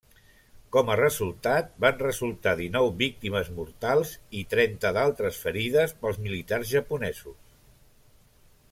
Com a resultat van resultar dinou víctimes mortals i trenta d'altres ferides pels militars japonesos.